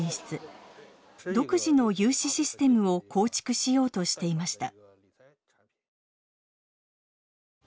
独自の融資システムを構築しようとしていました。